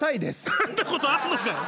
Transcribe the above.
かんだことあんのかよ。